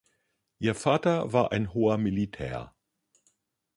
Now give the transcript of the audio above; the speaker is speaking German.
Ihr Vater war ein hoher Militär.